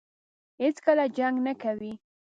هېڅکله جنګ نه کوي.